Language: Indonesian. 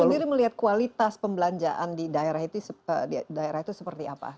kalau sendiri melihat kualitas pembelanjaan di daerah itu seperti apa